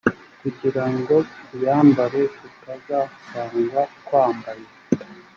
kugira ngo tuyambare tutazasangwa twambaye